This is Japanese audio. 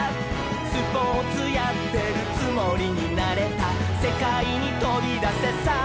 「スポーツやってるつもりになれた」「せかいにとびだせさあおどれ」